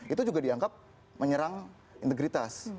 itu juga dianggap menyerang integritas